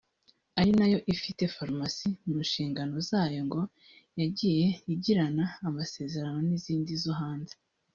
ari nayo ifite farumasi mu nshingano zayo ngo yagiye igirana amasezerano n’izindi zo hanze